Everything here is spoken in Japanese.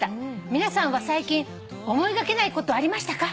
「皆さんは最近思いがけないことありましたか？」